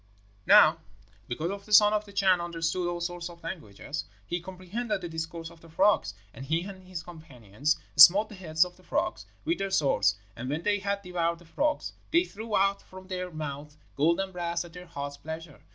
"Now, because the son of the Chan understood all sorts of languages, he comprehended the discourse of the frogs, and he and his companion smote the heads of the frogs with their swords; and when they had devoured the frogs, they threw out from their mouths gold and brass at their heart's pleasure.